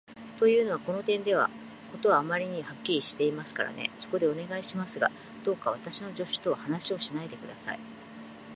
というのは、その点では事はあまりにはっきりしていますからね。そこで、お願いしますが、どうか私の助手とは話をしないで下さい。